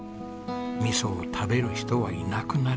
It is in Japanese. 「味噌を食べる人はいなくならない」。